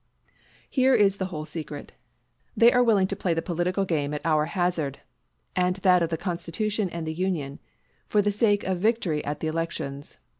Here is the whole secret. They are willing to play the political game at our hazard, and that of the Constitution and the Union, for the sake of victory at the elections.